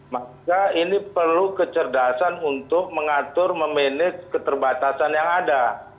maka ini perlu kecerdasan untuk mengatur memanage keterbatasan yang ada